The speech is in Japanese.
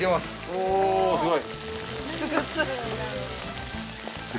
おぉすごい。